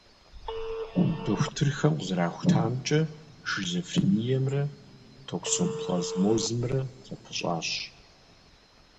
Дохутырхэм къызэрахутамкӏэ, шизофрениемрэ токсоплазмозымрэ зэпыщӏащ.